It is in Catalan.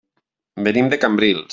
Venim de Cambrils.